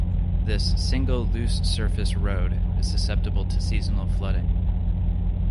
This single loose-surface road is susceptible to seasonal flooding.